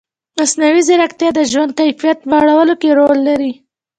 مصنوعي ځیرکتیا د ژوند کیفیت لوړولو کې رول لري.